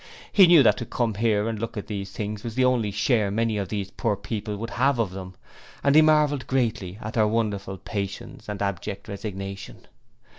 He knew that to come here and look at these things was the only share many of these poor people would have of them, and he marvelled greatly at their wonderful patience and abject resignation.